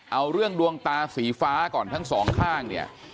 เอาเรื่องดวงตาสีฟ้าก่อนทั้งสองข้างเนี่ย